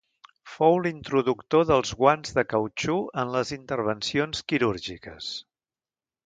Fou l’introductor dels guants de cautxú en les intervencions quirúrgiques.